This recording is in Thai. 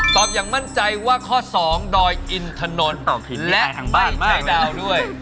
ตอบอย่างมั่นใจว่าข้อสองดอยอินถนนตอบผิดในอายทางบ้านมากและไม่ใช้ดาวด้วย